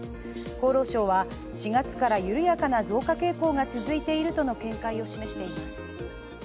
厚労省は４月から緩やかな増加傾向が続いているとの見解を示しています。